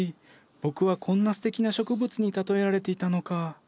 僕はこんなすてきな植物に例えられていたのか。